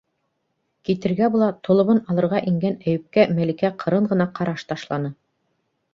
Китергә була толобон алырға ингән Әйүпкә Мәликә ҡырын ғына ҡараш ташланы: